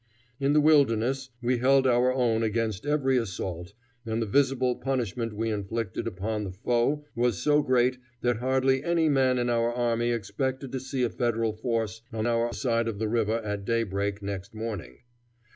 In the Wilderness we held our own against every assault, and the visible punishment we inflicted upon the foe was so great that hardly any man in our army expected to see a Federal force on our side of the river at daybreak next morning.